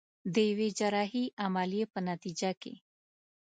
د يوې جراحي عمليې په نتيجه کې.